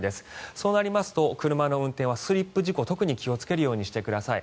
そうなりますとお車の運転はスリップ事故特に気をつけるようにしてください。